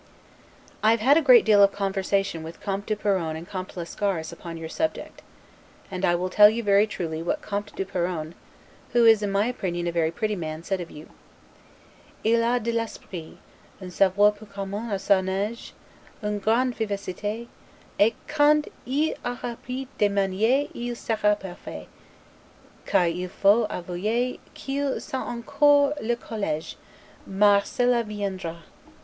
I have had a great deal of conversation with Comte du Perron and Comte Lascaris upon your subject: and I will tell you, very truly, what Comte du Perron (who is, in my opinion, a very pretty man) said of you: 'Il a de l'esprit, un savoir peu commun a son age, une grande vivacite, et quand il aura pris des manieres il sera parfait; car il faut avouer qu'il sent encore le college; mars cela viendra'.